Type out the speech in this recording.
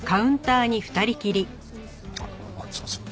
あっすいません。